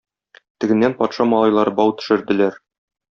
Тегеннән патша малайлары бау төшерделәр.